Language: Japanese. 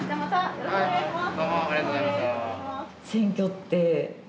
よろしくお願いします。